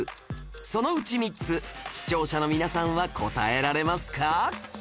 そのうち３つ視聴者の皆さんは答えられますか？